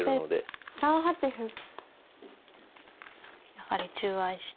やはり中合いして。